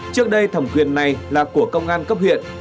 trước đây thẩm quyền này là của công an cấp huyện